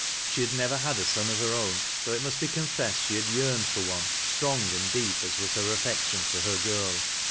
She ha^l never had a son of her own though it must be confessed she had yearned for duo £trong and deep as was her affection for her girl.